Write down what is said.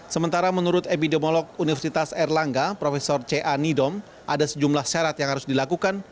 sementara menurut epidemiolog universitas erlangga prof ca nidom ada sejumlah syarat yang harus dilakukan